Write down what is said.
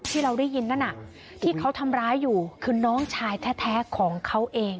ที่เราได้ยินนั่นน่ะที่เขาทำร้ายอยู่คือน้องชายแท้ของเขาเอง